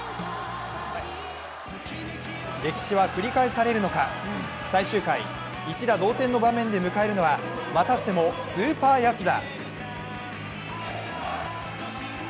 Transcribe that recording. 歴史は繰り返されるのか、最終回一打同点の場面で迎えるのは、またしてもスーパー安田。